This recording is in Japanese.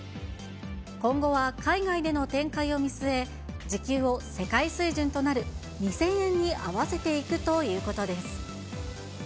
今後は海外での展開を見据え、時給を世界水準となる２０００円に合わせていくということです。